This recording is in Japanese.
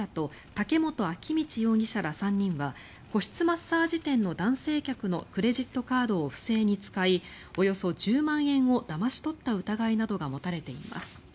武本明道容疑者ら３人は個室マッサージ店の男性客のクレジットカードを不正に使いおよそ１０万円をだまし取った疑いなどが持たれています。